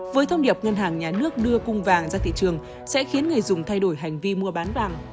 với thông điệp ngân hàng nhà nước đưa cung vàng ra thị trường sẽ khiến người dùng thay đổi hành vi mua bán vàng